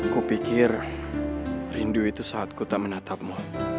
ku pikir rindu itu saat ku tak menatapmu